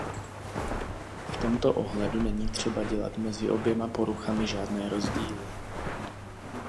V tomto ohledu není třeba dělat mezi oběma poruchami žádné rozdíly.